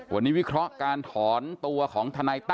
วันนี้วิเคราะห์การถอนตัวของทนายตั้